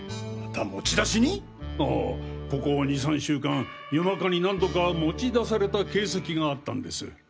ああここ２３週間夜中に何度か持ち出された形跡があったんです。